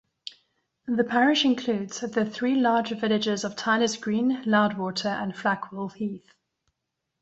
The parish includes the three large villages of Tylers Green, Loudwater and Flackwell Heath.